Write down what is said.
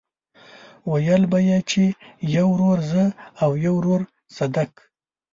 ويل به يې چې يو ورور زه او يو ورور صدک.